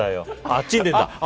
あっちに出た。